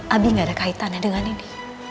abi gak ada kaitannya dengan ini